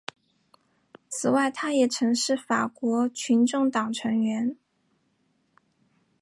此外他也曾是法国群众党成员。